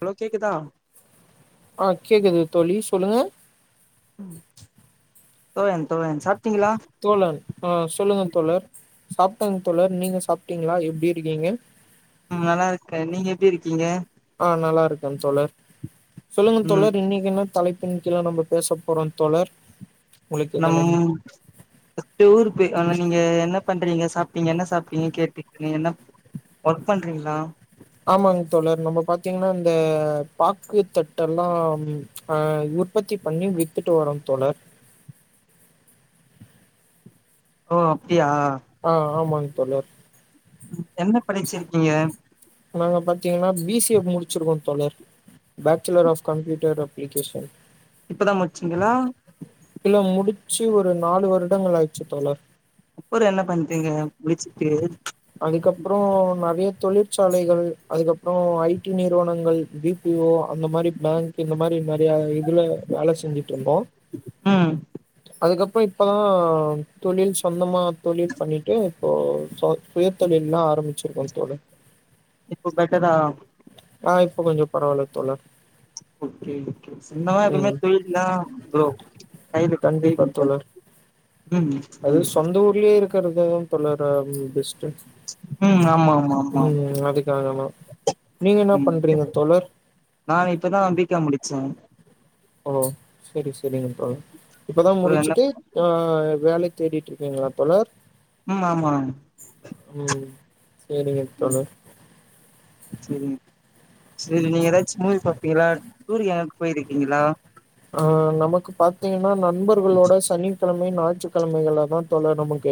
Hello கேக்குதா ஆ கேட்குது தோழி சொல்லுங்க தோழன் தோழன் சாப் தோழன் ஆஹ் சொல்லுங்க தோழர் சாப்டேம் தோழர்நீங்க சாப்பிட்டீங்களா எப்படி இருக்கீங்க உம் நல்லா இருக்கேன் நீங்க எப்படி இருக்கீங்க ஆ நல்லா இருக்கேன்னு தோழர் சொல்லுங்க ம் தோழர் இன்னைக்கு என்ன தலைப்பணிக்கெல்லாம் நம்ம பேச போறம் தோழர் உங்களுக்கு நம் எதனும் [unintelligible] நீங்க என்ன பண்றீங்க சாப்பீங்க என்ன சாப்பீங்க கேட்டீங்க என்ன ஒர்க் பண்றீங்களா ஆமாங்க தோழர் நம்ம பாத்தீங்கன்னா இந்த பாக்குத்தட்ட எல்லாம் அஹ் உற்பத்தி பண்ணி வித்துட்டு வரோங்க தோழர் ஹ ஆஹ் ஆமாங்க தலர் என்ன படிச்சிருக்கீங்க நாங்கள் பார்த்தீங்கன்னா பிசிஎ முடிச்சிருக்கோம் தொடர் பேச்சலர் ஆஃப் கம்ப்யூட்டர் அப்ளிகேஷன் இப்பதான் மச்சிங்களா முடிச்சு ஒரு நாலு வருட ஆச்சு தொடர் அப்புறோ என்ன பண்றீங்க முடிச்சுட்டு அதுக்கப்புறம் நிறைய தொழிற்சாலைகள் அதுக்கப்புறம் ஐடி நிறுவனங்கள் பபிஓ அந்த மாதிரி பேங்க் இந்த மாதிரி நிறைய இதுல வேலை செஞ்சுட்டு இருந்தோம் ம் அதுக்கப்புறம் இப்போதான் தொழில் சொந்தமா தொழில் பண்ணிட்டு இப்போ சுய தொொழில் எல்லாம் ஆரம்பிச்சிருக்கோம் தொழில் இப்போ பெட்டதா ஆஹ் இப்போ கொஞ்சம் பரவில்ல தோலர் சொன்னா எப்பவுமே தொழில் தான்ரோம் கண்டிப்பா தோழர் கண்டப்பா பல்ட ம் ஆமா ஆமா உம் அதுக்காகமா உம் நான் இப்பதான்ம்பிக்க முடிச்சேன் ஆ ஓ சரி சரிங்க ப இப்பதான் அப்புறோ என்ன முடிச்சுட்டு ஆஹ வேலைக்கு தேடிட்ருக்கீங்களா தோழர் ம் ஆமா உம் சேரிங்கத்தோழர் சேரி சேரி நீங்க எதாச்சு மூவி பாப்பீங்களா டூருக்கெ போயிருக்கீங்களா ஆ நமக்கு பாத்தீங்கனா ந ண்பர்களோட சனி கெழமையு ஞாயிற்றுக்கெழமைகள்லதா தோழர் நமக்கு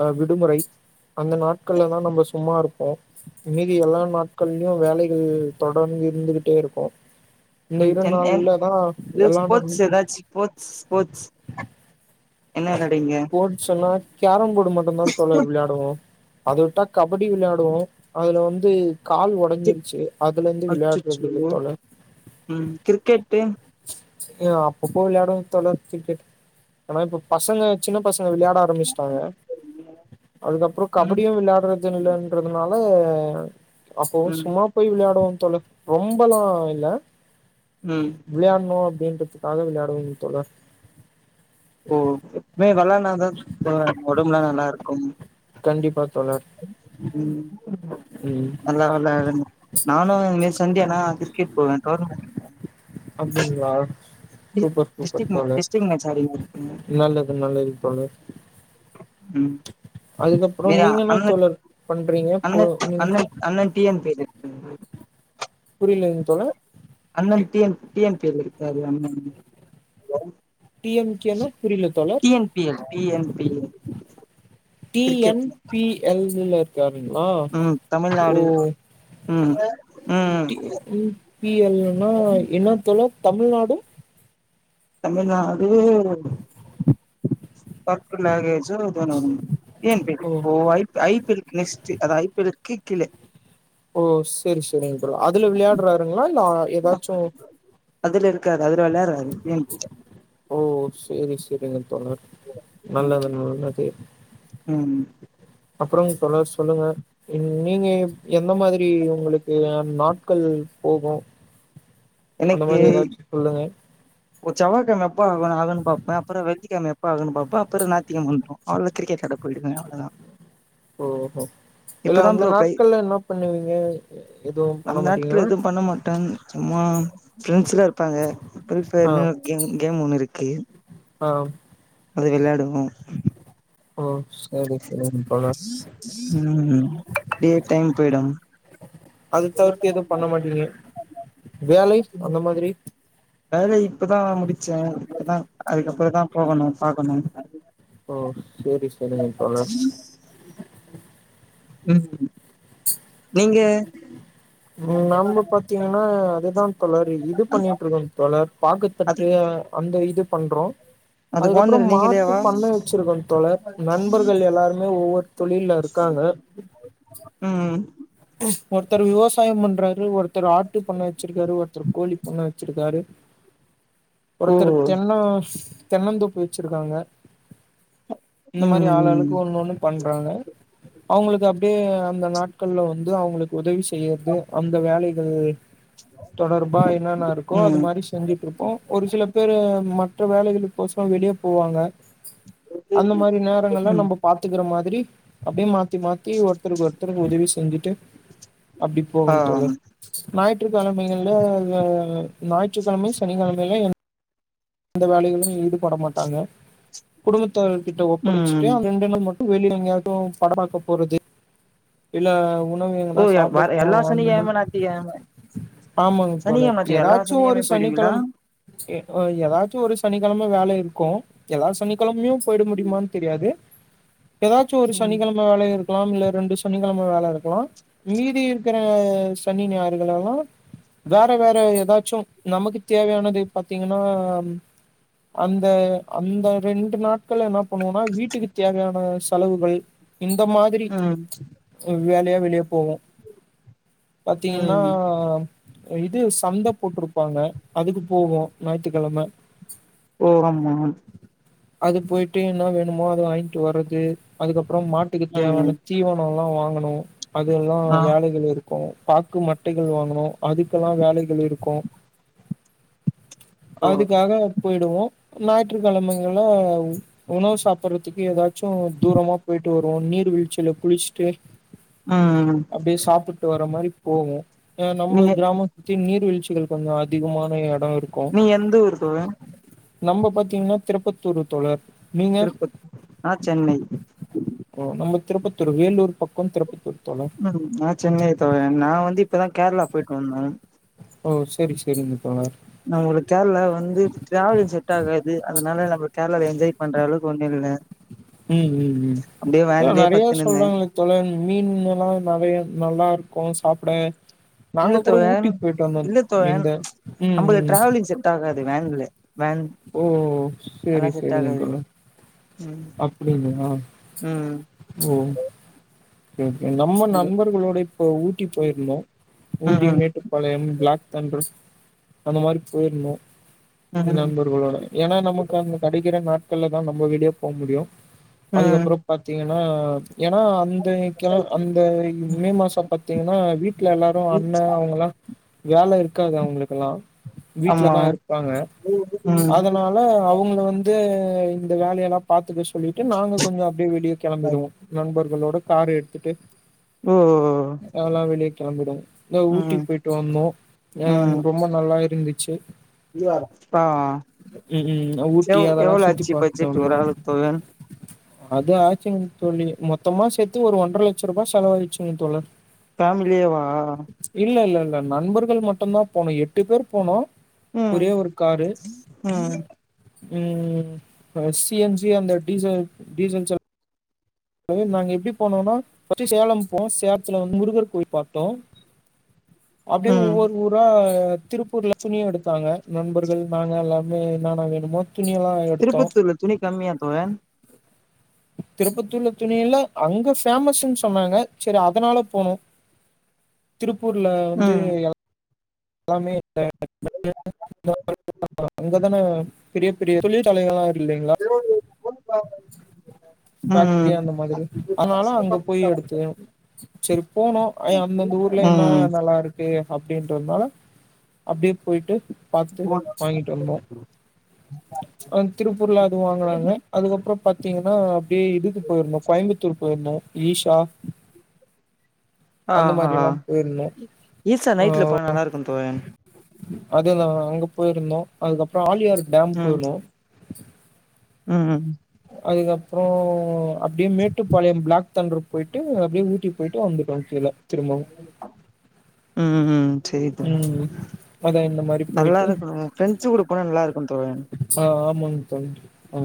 அ விடுமுறை அந்த நாட்கள்ல தா நம்ம சும்மா இருப்போ மீதி எல்லா நாட்கள்லயு வேலைகள் தொடர்ந்து இருந்துகிட்டே இருக்கு இந்த ம் இரு என் என் நாள்ல தா எல்லா நண் ஸ்போர்ட்ஸ் எதாச்சு போட்ஸ் ஸ்போர்ட்ஸ் என்ன [unintelligible] ஸ்போட்ஸுன்னா கேரம்போ டு மட்டுந்தா தோழர் விளாடுவோ அத விட்டா கபடி விளாடுவோ அதுல வந்து கால் சி ஒடஞ்சிருச்சு அதுலெந்து விளையாட்றதில்ல அச்சச்சோ தோழர் ம் கிரிக்கெட்டு ஏ அப்பப்போ விளையாடுவோ தோழர் கிரிக்கெட் ஏனா இப்ப பசங்க சின்ன பசங் க விளையாட ஆரமிச்ட்டாங்க அதுக்கப்பறொ ம் கபடியு விளாட்றதில்லன்றதுனால [unintelligible] அப்போ ம் சும்மா போய் விளையாடுவோ தோழர் ரொம்பல்லா இல்ல உம் யாட்ணு அப்டின்றதுக்காக விளையாடுவெங்க தோழர் ஓ எப்மே வெளான்னாதா தோழர் ஒடம்புல்லா நல்லா இரு க்கும் கண்டிப்பா தோழர் உம் ம் நல்லா வெளாடுங்க நானு மிஸ் சன்டே அனா கிரிக்கெட் போவே டோர்னமெண்ட் அப்டிங்களா சூப்பர் சூப்பர் டிஸ்ட்ரிக் தோழர் டிஸ்ட்ரிக் மேட்ச் ஆடினு இருப்பே நல்லது நல்லது தோழர் ம் அதுக்கப்புறோ எங்க நீங்க என்ன அண்ண தோழர் பண்றீங்க பு அண்ண ம் அண்ண அண்ண டி எம் [unintelligible] ம் புரியலங்க தோழர் அண்ணன் T N T N P இருக்காரு அண்ணண் ஹலோ டி எம் கேன புரியிலத் தோழர் P L T N P L T N கிரிக்கெட்ல பி எல் இல்ல இருக்காரு அப்படிங்களா ம் ஓ தமிழ்நாடு ம் ம் டி என் பி எல் னா என்னத் தோழர் தமிழ்நாடு தமிழ்நாடு பக்கு நக [unintelligible] டி ஏன் பி எல் ஓ இப்போ I P I P L க்கு நெக்ஸ்ட் அது ஐ பி எல க்கு கிலே ஓ சேரி சேரிங்கப்ரோ அதுல விளையாடுறாருங்களா இல்ல ஏதச்சும் அதுல இருக்கா அதுல விளையாடுறாரு உம் ஓ செரி செரிங்க தோழர் நல்லதன் நல்லதன் தே உம் அப்பறம் தோழர் சொல்லுங்க நீங்க எந்த மாதிரி உங்களுக்கு நாட்கள் போகும் எனக்கி ஒரு செவ்வாக்கிழமை எப்ப ஆக ஆகணும் பார்பேன் அப்புறம் வெள்ளிக்கிழமை எப்ப பாக்கணு பாப் அப்ப பாத்துரு நாத்தியகிழம வந்துரு அவ்ளோ கிரிக்ஆட போய்டுவ அவ்வளதான் ஓ ஓ இல்ல அந்த ப்ரோ பிரை நாட்கள்ல என்ன பண்ணுவீங்க எதுவும் அந்த பண்ண மாட்டீங்களா ப்ரெண்ட்ஸ்லாம் இருப்பாங்க ஆ பீப்ஃபயர்ன்னு கேம் கேம் ஒண்ணு இருக்கு ஆ அது விளயாடுவோம் ஓ சு உம் இப்டியே டைம் போயிடும் அது தவிர்த்து எதுவும் பண்ண மாட்டிங்கல வேலை அந்த மாதிரி வேலை இப்பதான் முடிச்சன் அப்பதான் அதுக்கப்பறம் தான் போகணும் பாக்கணும் ஓஸ் சேரி சேரிங்க தோழர் ஹம் நீங்க உம் நாம்ம பாத்தீங்கன்னா அதுதான் தொளர் இது பண்ணிட்டு இருக்கோம் தொளர் அது பாக்குத்தட்டு அந்த இது பண்றோம் அதுக்கு அதுக்கப்பறம் ஓனர் மாட்டு நீங்களேவா பண்ணை வச்சிருக்கும் தோழர் நண்பர்கள் எல்லாருமே ஒவ்வொரு தொழில்ல இருக்காங்க ம் ஒருத்தர் விவசாயம் பண்றாரு ஒருத்தர் ஆத் ட்டுப் பண்ண வச்சிருக்காரு ஒருத்தர் கோழிப் பண்ண வச்சிருக்காரு ஓ ஒருத்தர் தின்னோஸ் தென்னந்தோப்பு வச்சிருக்காங்க இந்த மாரி ம் ஆள் ஆளுக்கு ஒண்ணு ஒண்ணு பண்றாங்க அவுங்களுக்கு அப்டியே அந்த நாட்கள்ல வந்து ஏதோ அவங்களுக்கு உதவி செய்யற்றது அந்த வேலைக்கு உம் தொடர்பா என்னென்ன இருக்கோ ம் அது ம் மாதிரி செஞ்சுட்டு இருப்போம் ஒரு சில பேரு மற்ற வேலைகளுக்கு போசோ வெளியே போவாங்க அந்த மாதிரி நேரங்கள் எல்லாம் ம் நம்ம பாத்துக்கிற மாதிரி அப்படியே மாத்தி மாத்தி ஒருத்தருக்கு ஒருத்தருக்கு உதவி செஞ்சுட்டு அப்படி ஆ போகன்னு தோலு ஞாயிற்றுக்கிழமைகள்ல ஞாயிற்றுக்கிழமை சனிக்கிழமையல்ல அந்த வேலைகளும் ஈடு பட மாட்டாங்க குடும்பத்து ர்கிட்ட ஒப்படைச்சுட்டு ம் [unintelligible] வெள எங்கயாதும் படம்மாக்க போறது ஓ இல்ல வ எல்லா சாப்பிடுப்பம் சனிக்கெழம ஞாயித்துக்கெழம ஆமாங்க தோழ சனிக்கெழம ஞாயித்துக்கெழம எல்லா ஏதாச்சும் ஒரு சனிக்கெழமையு போயிடுவீங்களா சனிக்கிழமை ஆ ஏதாச்சும் ஒரு சனிக்கிழமை வேலை இருக்கும் ஏதாவது சனிக்கிழமையும் போயிட முடியுமான்னு தெரியாது ஏதாச்சும் ஒரு ம் சனிக்கிழமை வேலைய இருக்கு க்கலாம் இல்ல ரெண்டு சனிக்கிழமை வேலை எ இருக்கலாம் மீதி இருக்கிற சனி ஞார்கள் எல்லாம் வேற வேற ஏதாச்சும் நமக்கு தேவையானது பாத்தீங்கன்னா அந்த அந்த ரெண்டு நாட்கள்ன பண்ணுவோனா வீட்டுக்கு தேவையான செலவுகள் இந்த மாதிரி ம் இவ வேலையா வெளிய போவும் பாத்தீங்கன்னா ம் இது சந்த போட்டிருப்பாங்க அதுக்கு போகும் ந ஏ,,,,,, த்து கிழம ஓ ஆமா அது போய்ட்டு என்ன வேணுமோ அது வாங்கிட்டு ம்ம்ம்மீஓ. அதுக்கப்புறம் மாட்டுக்கு ம் தேவையான தீவனம் [unintelligible] வாங்கணும் அது எல்லாம் ஆ வேலைகள் இருக்கும் பாக்கு மட்டைகள் வாங்குனோம் அதுக்கெல்லாம் வேலை [unintelligible] இருக்கும் ஓ அதுக்காக போயிடுவோம் ஞாயிற்றுக்கிழமங்கல உணவு சாப்பிடுறதுக்கு ஏதாச்சும் தூரமா போயிட்டு வருவோம் நீர் வீழ்ச்சியில குளிச்சுட்டு ஹம் இது வர மாரி போகும் ஆஹ நம்ம கிராம தி நீர்வீழ்ச்சிகள் கொஞ்சம் அதிகமான இடம் இருக்கும் தோழா நம்ம பாத்தீங்கன்னா திருப்பத்தூர் தோழர் நீங்க திருப்பத் நா சென்னை திருபத்தூர் வேலூர் பக்கம் திருப்பத்தூர் தோழர் ம் நான் சென்னை தன் நான் வந்து இப்பதான் கேரளா போயிட்டு வந்தேன் ஓ சரி சரிங்க தோழர் நம்மளுக்கு கேரளா வந்து டிராவலிங் செட் ஆகாது அதனால நம்ம கேரளால என்ஜாய் பண்ற அளவுக்கு ஒண்ணும் இல்ல உம் உம் உம் அப்டியே ஏ வேன்லயே நெறய பத்துன்னு இருந்தே சொல்றாங்களே தோழர் மீன் எல்லாம் நெறய நல்லா இருக் கும் சாப்பிட இல்ல நாங்க கூட தோழன் ஊட்டிக்கு போயிட்டு வந்தோம். இல்ல தோழன் இந்த ம், நம்மளுக்கு ம். டிராவலிங் செட் ஆகாது வேன்ல வேன் ஓ அதெல்லா செரி செட் செரிங் ஆகாது தோழர் ம் அப்டின்னா ம் ஓ ஓகேநம்ம ம் நண்பர்களோட இப்போ ஊட்டி போயிருந்தோம் ஊட்டி மேட்டுப்பாளையம் பிளாக் தண்டர்ஸ் அது மாரி போயிருந்தோம் ம் ம் நண்பர்களோட ஏன்னா நமக்கு அந்த கடைக்கிற நாள் மக்கள் தான் நம்ம வீடியோ போ முடியும் ம் அதுக்கப்பறம் பாத்தீங்கன்னா ஆஹ் ஏன்னா அந்த மே மாசம் பாத்தீங்கன்னா வீட்ல எல்லாரும் அண்ணன் அவுங்க எல்லாம் வேலை இருக்காத அவுங்களுக்கெல்லாம் ஆமா வீட்லதான் இருப்பாங்க அதனால அவுங்க வந்து இந்த வேலையெல்லாம் பாத்து விஷ் சொல்லிட்டு நாங்க கொஞ்சம் அப்டியே வெளியே ம் கெளம்பிடுவோம் நண்பர்கள் களோட காரு எடுத்திட்டு ஓ அதல்லாம் வெளி கெளம்பிடுவோம் ஊட்டி ம் போய்டு வந்தோம் ஆஹ் ரொம்ப நல்லா இருந்து ச்சு ஆஹ் ம் ம் ஊட்டி அதெல்லா எவ்ளோ சுத்தி ஆச்சு பாத்துட்டு பட்ஜெட்டு வந்தோ ஓரு ஆளுக் போக அது ஆச்சுங்க தோழி மொத்தமா சேத் ஒரு ஒன்றரை லட்சம் ரூபாய செலவகிச்சுங்க தோழர் ஃபேமிலியேவா இல்ல, இல்ல நண்பர்கள் மட்டும்தான் போனும் எட்டு பேர் போனோம் உம் ஒரே உம் உம் சிஎன்சி அந்த டீசல் டீசல் செலவு ஆக நாங்க எப்டி போனம்னா பர்ஸ்ட் சேலம் போம் சேலத்துல வந்து முருகர் கோவில் பாத்தோம் அப்டியே ம் ஒவ்வொரு ஊரா திருப்பூர்ல துணிய எடுத்தாங்க நண்பர்கள் நாங்க எல்லாமே என்னன்ன வேணுமோ துணியெல்லாம் எடுத்தோம். திருப்பத்தூர்ல துணி கம்மியா தோழர் திருப்பத்தூர்ல துணியில அங்க பேமஸ்ன்னு சொன்னாங்க செரி அதனால போனும் திரு திருப்பூர்ல வந்து ம் எல்லாமே அங்கதான பெரிய பெரிய தொழிற்சாலைகள் ஃபேக்டரி அந்த ம் மாரி அதனால அங்க போய் எடுத்து சரி போனோம் அந்தந்த ஊர்ல என்ன ம் நல்லா இருக்கு அப்படின்றதுனால அப்டியே போய்டு பாத்து வாங்கிட்டு வந்தோம் திருப்பூர்ல அது வாங்குனாங்க அதுக்கப்புறம் பத்து பாத்தீங்கன்னா அப்டியே இதுக்கு போயிருந்தும் கோயம்புத்தூர் போயிருந்தோம் ஈஷா அந்த மாரில்லா ஆஹ்ஹ் போயிருந்தோ ஈசா நைட்ல போனன் நல்லா இருக்கும் தோழர் அதேதான் அங்க போயிருந்தோம் அதுக்கப்புறம் ஆலியார் டேம் போனோம் உம்ம் அதுக்கப்புறம் அப்படியே மேட்டுப்பாளையம் பிளாக் தண்டற போயிட்டு அப்படியே ஊட்டி போயிட்டு வந்துட்டோம் கீழே உம் உம் சேரி தோழர் ம் அதா இந்த மாரி நல்லா போயிட்டு இருக்கும் ப்ரெண்ட்ஸ் கூட போனா நல்லா இருக்கும் தோழன் ம த ஆ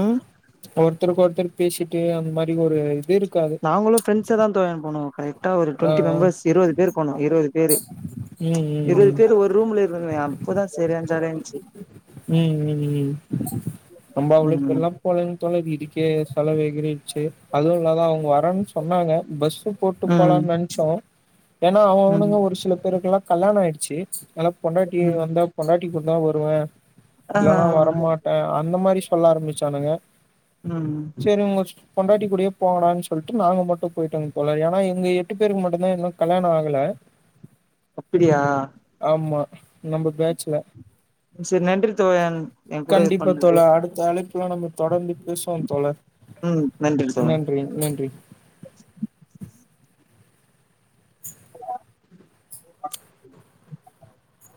ஆஹ ஒருத்தருக்கு ஒருத்தருக்கு பேசிட்டு அந்த மாதிரி ஒரு இது இருக் நாங்களும் ஃபிரெண்ட்ஸ தான் தோழன் போனோம் கரெக்டா ஒரு ஆ டுவெண்ட்டி மெம்பர்ஸ் இருபது பேர் போனோம் இருபது பேரு ம் இருபது ம் பேரு ஒரு ரூம்ல இரு அப்போதான் சரியானா ஜாலி இருந்துச்சு ம் ம் ம் ம் நம்ம உம் அவ்ளோக்கெல்லா போலங்க தோழர் இதுக்கே செலவுஎகிறிச்சே அதுவும் இல்லாத அவங்க வரன்னு சொன்னாங்க பஸ்ச் போட்டு ம் போலான்னு நினைச்சோம் ஏன்னா அவனுங்க ம் ஒரு சில பேருக்கல்லாம் கல்யாணம் ஆயிடுச்சு நல்லா பொண்டாட்டி ம் வந்தா பொண்டாட்டி கூட தான் வருவேன் ஆ இல்லனவரமாட்டேன் அந்த மாதிரி சொல்ல ஆரம்பிச்சானுங்க ஆஹ் சரி உங்க பொண்டாட்டி கூடே போகலான்னு சொல்லிட்டு நாங்க மட்டும் போயிட்டாங்க போல ஏன்னா எங்க எட்டு பேருக்கு மட்டும்தான் இன்னும் கல்யாணம் ஆகல அப்படியா ஆமா நம்ம பேக் சரி நன்றி தோழன் என் கூட இது கண்டிப்பா பண்ணது தோழா அடுத்த அழைப்புல நம்ம தொடர்ந்து பேசுவோ தோழா ம் தோழன் நன்றி நன்றி [inaudible]